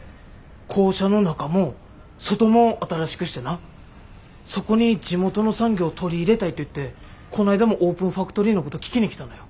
校舎の中も外も新しくしてなそこに地元の産業取り入れたいって言ってこの間もオープンファクトリーのこと聞きに来たのよ。